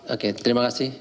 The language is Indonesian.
oke terima kasih